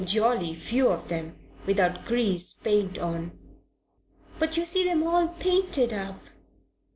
"Jolly few of them without grease paint on." "But you see them all painted up."